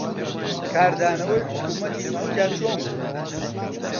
کاردانەوەی حکوومەتی تورکیا چۆن بوو؟